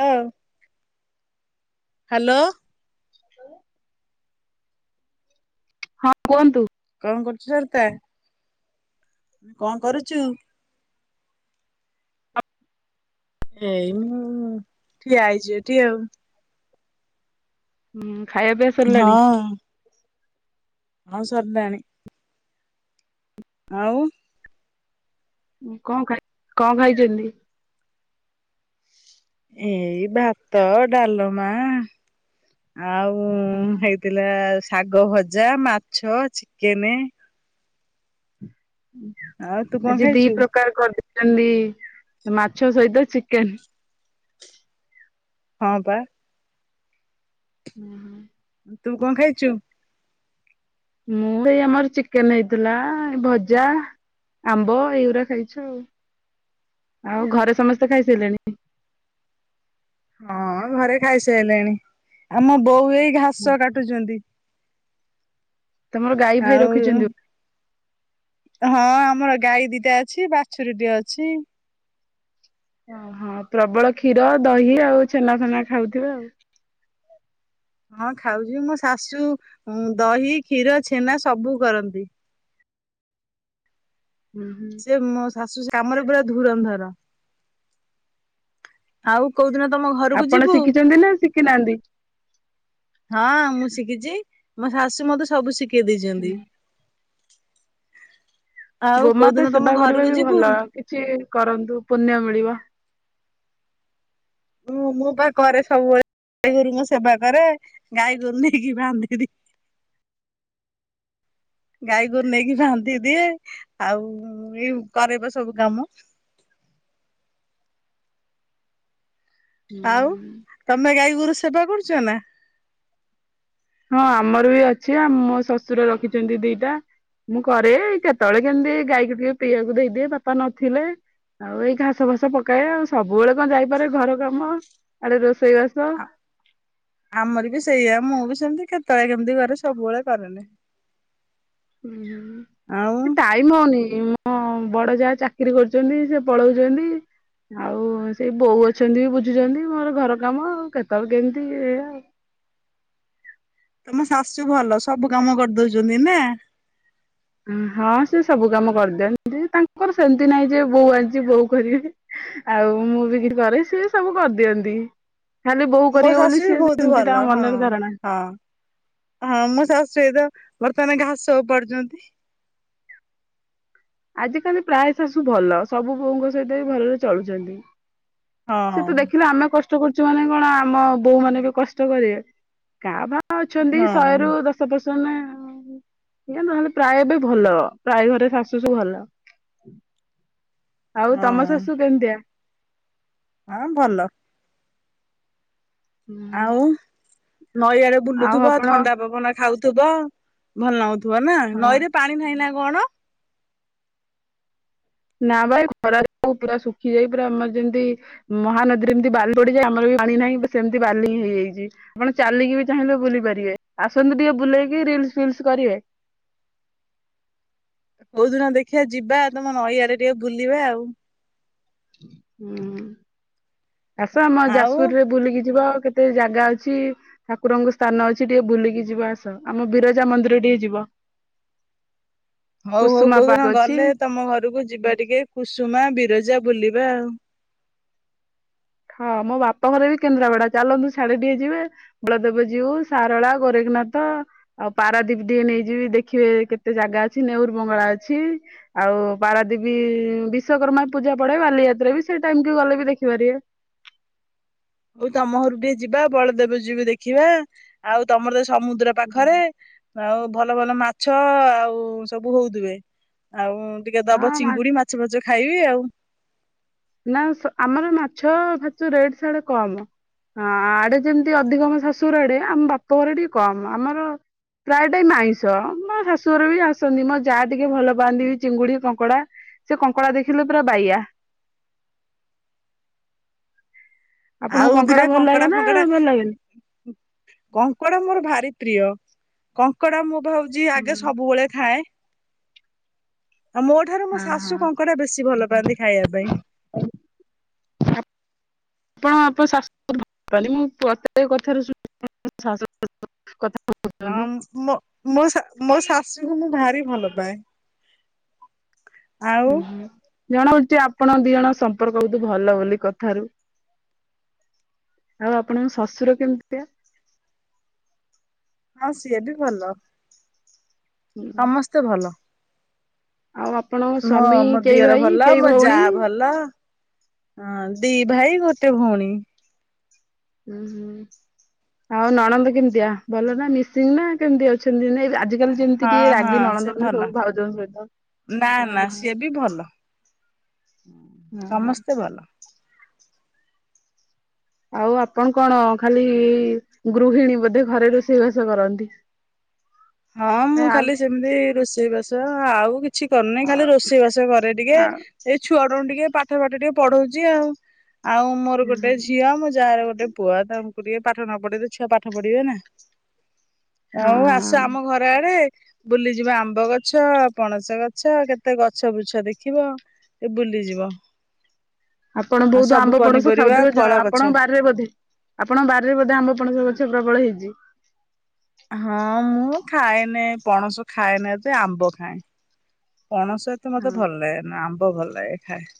ହଁ ହ୍ୟାଲୋ। ଶୁ ହଁ କୁହ କଣ କରୁଛୁ ସରିତା? କଣ କରୁଛୁ? ଏଇ ହଁ ଠିଆ ହେଇଛି ଏଠି ଆଉ। ହୁଁ ଖାଇବା ପିଆ ସରିଲାଣି? ହଁ। ହଁ ସାରିଲାଣି। ଆଉ କଣ ଖାଇ କଣ ଖାଇଛନ୍ତି? ଏଇ ଭାତ ଡାଲମା। ଆଉ ହେଇଥିଲା ଶାଗ ଭଜା ମାଛ ଚିକେନ। ଆଉ ତୁ କଣ ଆଜି ଦି ଖାଇଛୁ? ପ୍ରକାର କରି ଖାଲି ମାଛ ସହିତ ଚିକେନ। ହଁ ବା। ହୁଁ ହୁଁ ତୁ କଣ ଖାଇଛୁ? ମୁଁ ଏଇ ଆମର ଚିକେନ ହେଇଥିଲା ଏ ଭଜା। ଆମ୍ବ ଏଇଗୁଡା ଖାଇଛୁ ଆଉ। ଆଉ ଘରେ ସମସ୍ତେ ଖାଇ ସାରିଲେଣି? ହଁ ଘରେ ଖାଇସାରିଲେଣି। ତମର ଗାଈ ଭାଇ ଆଉ ରଖିଛନ୍ତି? ହଁ ଆମର ଗାଈ ଦିଟା ଅଛି ବାଛୁରୀଟେ ଅଛି। ଓହୋ ପ୍ରବଳ କ୍ଷୀର ଦହି ଆଉ ଛେନା ଫେନା ଖାଉଥିବେ ଆଉ। ହଁ ଖାଉଛି ମୋ ଶାଶୁ ଦହି କ୍ଷୀର ଛେନା ସବୁ କରନ୍ତି। ହୁଁ ହୁଁ ସେ ମୋ ଶାଶୁ ସେ ଆମର ପୁରା ଧୁରନ୍ଧର। ଆଉ କୋଉଦିନ ତମ ଘରକୁ ଆପଣ ଯିବୁ? ଶିଖିଛନ୍ତି ନା ଶିଖିନାହାନ୍ତି? ମୋ ଶାଶୁ ମତେ ସବୁ ଶିଖେଇ ଦେଇଛନ୍ତି। ଆଉ କୋଉ ଦିନ ଗୋମାତା ତମ ସେବା କରିବା ଘରକୁ ବି ଯିବୁ। ଭଲ କିଛି କରନ୍ତୁ ପୁଣ୍ୟ ମିଳିବ। ମୁଁ ବା କରେ ସବୁବେଳେ ଗାଈ ଗୋରୁଙ୍କ ସେବା କରେ ଗାଈଗୋରୁ ନେଇକି ବାନ୍ଧି ଗାଈ ଗୋରୁ ନେଇକି ବାନ୍ଧିଦିଏ ଆଉ ଏଇ ଉପାରପା ସବୁ କାମ। ହଁ ଆଉ ହୁଁ। ତମେ ଗାଈ ଗୋରୁ ସେବା କରୁଛ ନା? ହଁ ଆମର ବି ଅଛି ଆମ ମୋ ଶଶୁର ରଖିଛନ୍ତି ଦିଟା। ମୁଁ କରେ କେତେବେଳେ କେମିତି ଗାଈକୁ ଟିକେ ପିଇବାକୁ ଦେଇଦିଏ ବାପା ନଥିଲେ। ଆଉ ଏଇ ଘାସ ଫାସ ପକାଏ ଆଉ ସବୁବେଳେ କଣ ଯାଇପାରେ ଘର କାମ ଆରେ ରୋଷେଇବାସ ଆମର ବି ସେଇଆ ମୁଁ ବି ସେମିତି କେତେବେଳେ କେମିତି କରେ ସବୁବେଳେ କରେନି ଆଉ ହୁଁ ଟାଇମ ହଉନି ମୋ ବଡ ଯା ଚାକିରୀ କରୁଛନ୍ତି ସେ ପଳଉଛନ୍ତି ଆଉ ସେଇ ବୋଉ ଅଛନ୍ତି ବୁଝୁଛନ୍ତି ମୋର ଘର କାମ କେତେବେଳେ କେମିତି ଏଇଆ ତମ ଶାଶୁ ଭଲ ସବୁ କାମ କରିଦଉଛନ୍ତି ନା ହଁ ସେ ସବୁ କାମ କରିଦିଅନ୍ତି ତାଙ୍କର ସେମିତି ନାଇଁ ଯେ ବୋଉ ଆଇଚି ବୋଉ କରିବେ ଆଉ ମୁଁ ବି କିଛି କରେ ସିଏ ସବୁ କରିଦିଅନ୍ତି ଖାଲି ବୋହୁ ମୋ କରିବେ ଶାଶୁ ବୋଲି ବି ସି ବହୁତ ସେମିତି ଭଲ ତାଙ୍କ ହଁ ମନରେ ଧାରଣା ହଁ ହଁ ମୋ ଶାଶୁ ଏତ ବର୍ତ୍ତମାନ ଘାସ ଓପାଡୁଛନ୍ତି ଆଜି କାଲି ପ୍ରାୟ ଶାଶୁ ଭଲ ସବୁ ବୋହୂ ଙ୍କ ସହିତ ବି ଭଲରେ ଚଳୁଛନ୍ତି ହଁ ସେ ତ ଦେଖିଲା ଆମେ କଷ୍ଟ କଷ୍ଟ କରୁଛ ମାନେ କଣ ଆମ ବୋହୂ ମାନେ ବି କଷ୍ଟ କରିବେ କାଁ ଭଁ ଅଛନ୍ତି ହଁ ଶହେରୁ ଦଶ ବା ମାନେ ଏଇଆ ନହେଲେ ପ୍ରାୟ ବି ଭଲ ପ୍ରାୟ ଘରେ ଶାଶୁ ଶାଶୁ ଭଲ ଆଉ ହଁ ତମ ଶାଶୁ କେମିତିଆ ହଁ ଭଲ ଆଉ ନଈଆଡେ ଆଉ ବୁଲୁଥିବ ଆପଣ ଥଣ୍ଡା ପବନ ଖାଉ ଥିବ ଭଲ ନାଗୁଥିବ ନା ହଁ ନଈରେ ପାଣି ନାହିଁ ନା କଣ ନା ବା ଖରାରେ ପୁରା ଶୁଖିଯାଇ ପୁରା ଆମର ଯେମିତି ମହାନଦୀରେ ଯେମିତି ବାଲି ପଡିଯାଏ ଆମର ବି ପାଣି ନାହିଁ ସେମିତି ବାଲି ହେଇଯାଇଛି ଆପଣ ଚାଲିକି ବି ଚାହିଁଲେ ବୁଲି ପାରିବେ ଆସନ୍ତୁ ଟିକେ ବୁଲେଇକି ରୀଲସ ଫିଲସ କରିବେ କୋଉଦିନ ଦେଖିବା ଯିବା ତମ ନଈଆଡେ ଟିକେ ବୁଲିବା ଆଉ ହୁଁ ଆସ ଆମ ଆଉ ଯାଜପୁରରେ ବୁଲିକି ଯିବା କେତେ ଜାଗା ଅଛି ଠାକୁରଙ୍କ ସ୍ଥାନ ଅଛି ଟିକେ ବୁଲିକି ଯିବ ଆସ ଆମ ବିରଜା ମନ୍ଦିର ଟିକେ ଯିବ ହଉ ହଉ କୁସୁମା କୋଉ ଦିନ ପାର୍କ ଅଛି ଗଲେ ତମ ଘରକୁ ଯିବା ଟିକେ କୁସୁମା ବିରଜା ବୁଲିବା ଆଉ ହଁ ମୋ ବାପଘର ବି କେନ୍ଦ୍ରାପଡା ଚାଲନ୍ତୁ ସାଢେ ଟିକେ ଯିବା ବଳଦେବଜୀବୁ, ସାରଳା, ଗୋରେଖନାଥ ନାଥ ଆଉ ପାରାଦୀପ ଟିକେ ନେଇଯିବି ଦେଖିବେ କେତେ ଜାଗା ଅଛି ନେଉର ବଙ୍ଗଳା ଅଛି ଆଉ ପାରାଦୀବୀ ବିଶ୍ଵକର୍ମା ପୂଜା ପଡେ ବାଲିଯାତ୍ରା ବି ସେଇ ଟାଇମ କି ଗଲେ ବି ଦେଖିପାରିବେ ହଉ ତମ ଘରୁ ଟିକେ ଯିବା ବଳଦେବ ଯିବା ଦେଖିବା ଆଉ ତମର ତ ସମୁଦ୍ର ହୁଁ। ପାଖରେ ଆଉ ଭଲ ଭଲ ମାଛ ଆଉ ସବୁ ହଉଥିବେ ଆଉ ଟିକେ ଦବ ହଁ ମା ଚିଙ୍ଗୁଡି ମାଛ ଫଛ ଖାଇବି ଆଉ ନା ଆମର ମାଛ ଫାଛ ରେଟ ସାଡେ କମ ହଁ ଆଡେ ଯେମିତି ଅଧିକ ଆମ ଶାଶୁର ଆଡେ ଆମ ବାପ ଘର ଟିକେ କମ ଆମର ପ୍ରାୟ ଟାଇମ ଆଇଁସ ମୋ ଶାଶୁଘର ବି ଆସନ୍ତି ମୋ ଯା ଟିକେ ଭଲ ପାଆନ୍ତି ଚିଙ୍ଗୁଡି କଙ୍କଡା ସେ କଙ୍କଡ଼ା ଦେଖିଲେ ପୁରା ବାଇଆା ଆପଣଙ୍କୁ ଆଉ ଧୀରେ ଭଲ କଙ୍କଡା ଲାଗେ ନା ଫଙ୍କଡା ଭଲ ଲାଗେନି? କଙ୍କଡା ମୋର ଭାରି ପ୍ରିୟ କଙ୍କଡା ମୁଁ ଭାବୁଛି ଆଗେ ହଁ ସବୁବେଳେ ଖାଏ ଆଉ ମୋ ଠାରୁ ମୋ ହଁ ଶାଶୁ କଙ୍କଡା ବେଶୀ ଭଲ ପାଆନ୍ତି ଖାଇବା ପାଇଁ ଆପଣ ଆପଣ ଙ୍କ ଶାଶୁ କୁ ବହୁତ ଭଲ ପାନ୍ତି ଆ ମୋ ମୋ ଶା ମୋ ଶା ଶାଶୁ ଙ୍କୁ ମୁଁ ଭାରି ଭଲ ପାଏ ଆଉ ହୁଁ ହ ଜଣା ହୋଉଚି ଆପଣ ଦିଇଜଣ ସମ୍ପର୍କ ବୋହୁତୁ ଭଲ ବୋଲି କଥାରୁ ଆଉ ଆପଣଙ୍କ ଶଶୁର କେମିତି ହଁ ସିଏ ବି ଭଲ। ସମସ୍ତେ ଭଲ। ଆଉ ଆପଣଙ୍କ ହଁ ସ୍ଵାମୀ ମୋ କେଇ ଦିଅର ଭାଇ ଭଲ କେଇ ମୋ ଭଉଣୀ? ଯାଆ ଭଲ। ହଁ ଦି ଭାଇ ଗୋଟେ ଭଉଣୀ। ହୁଁ ହୁଁ ଆଉ ନଣନ୍ଦ କେମିତିଆ ଭଲ ନା ମିସିଙ୍ଗ ନା କେମିତି ଅଛନ୍ତି ନ? ଆଜି କାଲି ଯେମିତି ହଁ ଟିକେ ରାଗି ହଁ ସେ ନଣନ୍ଦ ମାନେ ଭଲ ସବୁ ଭାଉଜ ସହିତ ନା ହ ହ ସମସ୍ତେ ଭଲ। ଆଉ ଆପଣ କଣ ଖାଲି ଗୃହିଣୀ ବୋଧେ ଘରେ ରୋଷେଇବାସ କରନ୍ତି। ହଁ ମୁଁ ନାଇଁ ଖାଲି ସେମିତି ରୋଷେଇବାସ ଆଉ କିଛି କରୁନି ଖାଲି ଆଉ ରୋଷେଇବାସ କରେ ଟିକେ ଆଉ ଏଇ ଛୁଆ ଟିକେ ପାଠ ପାଠ ଟିକେ ପଢ଼ଉଚି ଆଉ ଆଉ ମୋର ଗୋଟେ ହୁଁ ଝିଅ ମୋ ଯାଆର ଗୋଟେ ଟେ ପୁଅ ତ ଆମକୁ ଟିକେ ପାଠ ନ ପଢ ତ ଛୁଆ ପାଠ ପଢିବେ ନା ହଁ ଆଉ ଆସ ହଁ ଆମ ଘର ଆଡେ ବୁଲିଯିବ ଆମ୍ବ ଗଛ ପଣସ ଗଛ କେତେ ଗଛ ଗୁଛ ଦେଖିବ। ଏ ବୁଲି ଯିବା। ଆପଣ ବୋହୁତ ଆମ୍ବ ପଣସ ଖାଉଥିବେ ଫଳ ଗଛ ଆପଣଙ୍କ ବାରିରେ ବୋଧେ। ଆପଣ ବାରିରେ ବୋଧେ ଆମ୍ବପଣସ ଗଛ ପ୍ରବଳ ହେଇଚି। ହଁ ମୁଁ ଖାଏନି ପଣସ ଖାଏନି ଏତେ ଆମ୍ବ ଖାଏ। ପଣସହିତ ମତେ ହଁ ଭଲ ଲାଗେ ନା, ଆମ୍ବ ଭଲ ଲାଗେ ଖାଏ।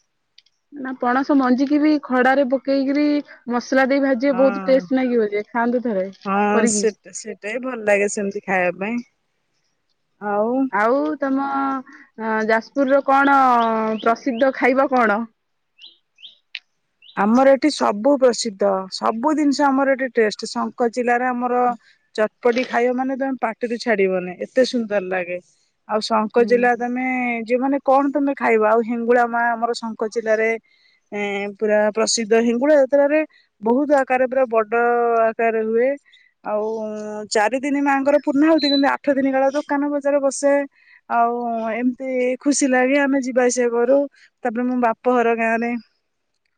ନା ପଣସ ମଞ୍ଜିିକି ବି ଖରାରେ ପକେଇକରି ମ ମସଲା ଦେଇ ଭାଜିବ ବୋହୁତ ହଁ। ଟେଷ୍ଟ ଲାଗିବ, ଖାଆନ୍ତୁ ଥରେ ହଁ କରିକି। ସେଟା ସେଟା ବି ଭଲ ଲାଗେ ସେମିତି ଖାଇବା ପାଇଁ ଆଉ ତମ ଯାଜପୁର ର କଣ ପ୍ରସିଦ୍ଧ ଖାଇବା କଣ? [unintelligible] ଆମର ଏଠି ସବୁ ପ୍ରସିଦ୍ଧ, ସବୁ ଜିନିଷ ଆମର ଏଠି ଟେଷ୍ଟ। ଜିଲ୍ଲାରେ ଆମର ଚଟପଟି ଖାଇବା ମାନେ ତମେ ପାଟିରୁ ଛାଡିବନି ଏତେ ସୁନ୍ଦର ଲାଗେ। ଆଉ ହୁଁ ଶଙ୍କଚିଲା ତମେ ଯୋଉମାନେେ କଣ ତମେ ଖାଇବ ଆଉ ହେଙ୍ଗୁଳା ମା ଆମର ଶଙ୍କଚିଲାରେ ଏ ପୁରା ପ୍ରସିଦ୍ଧ ହିଙ୍ଗୁଳା ଯାତ୍ରାରେ ବୋହୁତ ଆକାର ପୁରା ବଡ ଆକାର ହୁଏ। ଆଉ ଚାରି ଦିନ ମାଆଙ୍କର ପୂର୍ଣାଆହୁତି କିନ୍ତୁ ଆଠ ଦିନ କାଳ ଦୋକାନ ବଜାର ବସେ ଆଉ। ହୋଉ ଏମତି ଖୁସି ଲାଗେ ଆମେ ଯିବା ଆସିବା କରୁ ତାପରେ ମୋ ବାପ ଘର ଗାଁ ରେ [inaudible]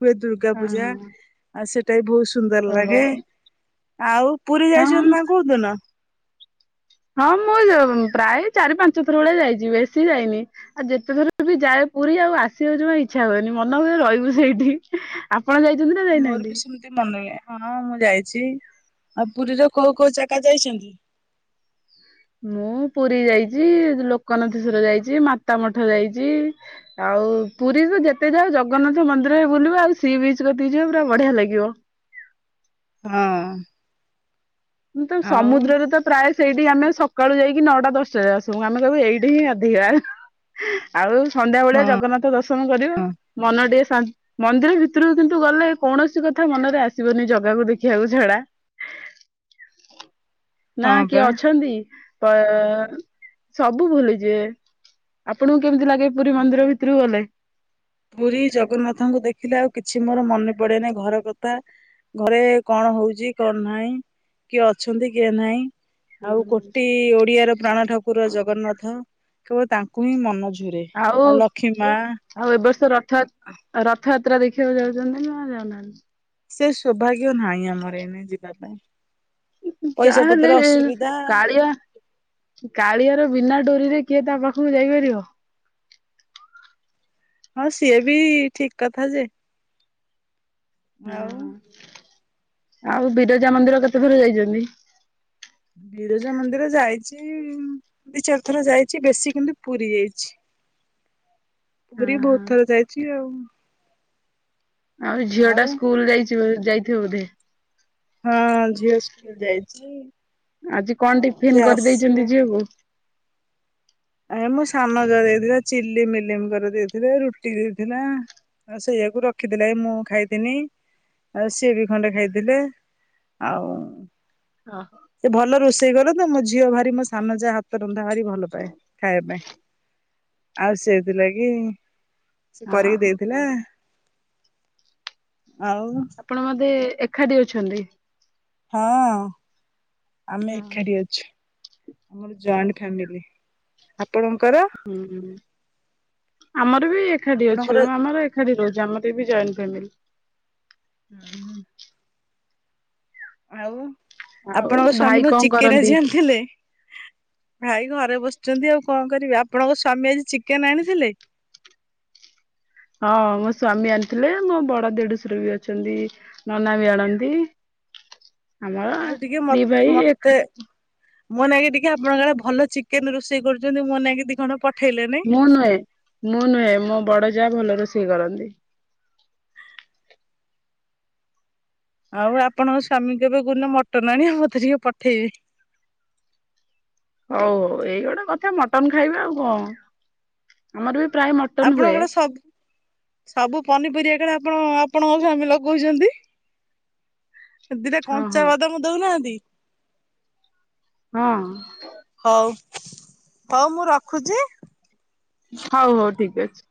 ହୁଏ ଦୁର୍ଗା ହଁ ପୂଜା ହଁ ଆଉ ସେଟା ବି ବୋହୁତ ସୁନ୍ଦର ଓହୋ ଲାଗେ ଆଉ। ପୁରୀ ହଁ ଯାଇଛନ୍ତି ନା କୋଉଦିନ? ହଁ ମୁଁ ପ୍ରାୟ ଚାରି ପାଞ୍ଚ ଥର ବେଳେ ଯାଇଚି ବେଶୀ ଯାଇନି ଆଉ ଯେତେଥର ବି ଯାଏ ପୁରୀ ଆଉ ଆସିବାକୁ ଜମା ଇଚ୍ଛା ହୁଏନି ମନ ହୁଏ ରହିବୁ ସେଇଠି ଆପଣ କଣ ଯାଇଛନ୍ତି ନା ମୋର ବି ଯାଇନାହାନ୍ତି। ସେମିତି ମନେ ନାହିଁ ହଁ ମୁଁ ଯାଇଚି ଆଉ ପୁରୀରେ କୋଉ କୋଉ ଜାଗା ଯାଇଛନ୍ତି। ମୁଁ ପୁରୀ ଯାଇଛି ଲୋକନାଥେଶ୍ଵର ଯାଇଚି ମାତା ମଠ ଯାଇଚି, ଆଉ ଆଉ ପୁରୀ ତ ଯେତେ ଯାଅ ଜଗନ୍ନାଥ ମନ୍ଦିର ବୁଲିବ ଆଉ ସି ବିଚ କତିକି ଯିବ ପୁରା ବଢିଆ ଲାଗିବ। ହଁ। ମୁଁ ତ ଆଉ ସମୁଦ୍ରରେ ତ ପ୍ରାୟ ସେଇଠି ଆମେ ସକାଳୁ ଯାଇକି ନଅଟା ଦଶଟାରେ ଆସୁ ଆମେ କହିବୁ ଏଇଠି ହିଁ ଅଧିକାର ଆଉ। ସନ୍ଧ୍ୟାବେଳେ ହଁ ଜଗନ୍ନାଥ ଦର୍ଶନ କରିବା ହଁ ମନ ଟିକେ ଶାନ୍ତି ମନ୍ଦିର ଭିତରେ ଭିତରୁ କିନ୍ତୁ ଗଲେ କୌଣସି କଥା ମନରେ ଆସିବନି ଜଗାକୁ ଦେଖିବାକୁ ଛଡା। ନା ହଁ କିଏ ବା ଅଛନ୍ତି? ସବୁ ଭୁଲିଯିବ ଆପଣଙ୍କୁ କେମତି ଲାଗେ? ପୁରୀ ମନ୍ଦିର ଭିତରୁକୁ ଗଲେ। ପୁରୀ ଜଗନ୍ନାଥଙ୍କୁ ଦେଖିଲେ ଆଉ କିଛି କିଛି ମୋର ମନେ ପଡେନି ଘର କଥା ଘରେ କଣ ହଉଛି କଣ ନାହିଁ। କିଏ ଅଛନ୍ତି କିଏ ନାହିଁ। ଆଉ କୋଟି ଓଡିଆର ପ୍ରାଣ ଠାକୁର ଜଗନ୍ନାଥ କେବଳ ତାଙ୍କୁ ହିଁ ମନ ରେ ଆଉ ଆ ଲକ୍ଷ୍ମୀ ମା ଆଉ ଏ ବର୍ଷ ରଥ ରଥଯାତ୍ରା ଦେଖିବାକୁ ଯାଉଛନ୍ତି ନା ଯାଉନାହାନ୍ତି। ସେ ସୌଭାଗ୍ୟ ନାହିଁ ଆମର ଏନେ ଯିବା ପାଇଁ। ପଇସା ପତ୍ର ଯାହେଲେ ଅସୁବିଧା। କାଳିଆ କାଳିଆର ବିନା ଡୋରିରେ କିଏ ତା ପାଖକୁ ଯାଇପାରିବ। ହଁ ସିଏ ବି ଠିକ କଥା ଯେ ହୁଁ ଆଉ ଆଉ ବିରଜା ମନ୍ଦିର କେତେ ଥର ଯାଇଛନ୍ତି? ବିରଜା ମନ୍ଦିର ଯାଇଛି ଦିଇ ଚାରି ଥର ଯାଇଛି ବେଶୀ କିନ୍ତୁ ପୁରୀ ଯାଇଛି। ପୁରୀ ବହୁତ ଥର ଯାଇଛି ଆଉ। ଆଉ ଝିଅ ଟା ସ୍କୁଲ ଯାଇଛି ବୋ ଯାଇଥିବ ବୋଧେ ହଁ ଝିଅ ଯାଇଛି। ଆଜି କଣ ଆଉ ସେ ଟିଫନ୍ ଆସିବ କରିଦେଇଛନ୍ତି ଝିଅକୁ ଆ ମୁଁ ସାନଜ ଦେଇଥିଲା ଚି ମିଲମଙ୍କ ଦେଇଥିଲେ ରୁଟି ଦେଇଥିଲା। ଆ ସେଇୟାକୁ ର ରଖିଥିଲେ ମୁଁ ଖାଇଥିନି ଆଉ ସିଏ ବି ଖଣ୍ଡେ ଖାଇଥିଲେ ଆଉ। ସେ ଭଲ ରୋଷେଇ କଲ ତ ମୋ ଝିଅ ଭାରି ମୋ ସାନ ଯାହା ହାତ ରନ୍ଧା ଭାରି ଭଲ ପାଏ। ଖାଇବା ଆଉ ସେଇଥିଲା କି ସେ କରିକି ହଁ ଦେଇଥିଲା। ଆଉ ଆପଣ ମତେ ଏକାଠି ଅଛନ୍ତି। ହଁ ଆମେ ଏକାଠି ଅଛୁ। ଆମର ଜଏଣ୍ଟ ଫ୍ୟାମିଲି। ଆପଣଙ୍କର ଉହୁଁ। ଆମର ବି ଏକାଠି ଆପଣଙ୍କର ଅଛୁ ଆମର ଏକାଠି ରହୁଛି ଆମର ଜଏଣ୍ଟ ଫ୍ୟାମିଲି। ହୁଁ। ଆଉ ଆଉ ଆପଣଙ୍କ ଭାଇ ସ୍ଵାମୀ କ କଣ କରନ୍ତି? ଚିକେରାି ଆଣିଥିଲେ ଭାଇ ଘ ବସିଛନ୍ତି ଆଉ କଣ କରିବି ଆପଣଙ୍କ ସ୍ଵାମୀ ଆଜି ଚିକେନ ଆଣିଥିଲେ। ହଁ ମୋ ସ୍ୱାମୀ ଆଣିଥିଲେ ମୋ ବଡ ଦେଢଶର ବି ଅଛନ୍ତି ନନା ବି ଆଣନ୍ତି ଆମର ଆଉ ଟିକେ ମ ଦି ଭାଇ ଏକା ମତେ ମୋନକି ଟିକେ ଆପଣଙ୍କଡ ଭଲ ଚେନ ରୋଷେଇ କରୁଛନ୍ତି ମୋ ନଁକି ଦିଇ ଖ ମୁଁ ନୁହେଁ ମୁଁ ନୁହେଁ ମୋ ବଡ ଯା ଭଲ ରୋଷେଇ କରନ୍ତି। ଆଉ ଆପଣଙ୍କ ସ୍ଵାମୀଙ୍କ ଏବେ ଗୁନ ମଟ ଆଣ ଆ ମୋତେ ଟିକେ ପଠେଇବେ ହୋଉ ହୋଉ ଏଇ ଗୋଟେ କଥା ମଟନ ଖାଇବେ ଆଉ କଣ ଆମର ବି ପ୍ରାୟ ମଟନ ହୁଏ। ଆପଣଙ୍କର ସବୁ ସବୁ ପନିପରିବା କାଳେ ଆପଣ ଆପଣଙ୍କ ସାମୀ ଲଗୋଉଚନ୍ତି? ଏ ଦିଇଟା ହଁ ହଁ କଞ୍ଚା ବାଦାମ ଦୋଉନାହନ୍ତି? ହଁ। ହୋଉ ମୁଁ ରଖୁଚି। ହୋଉ ହୋଉ ଠିକ ଅଛି।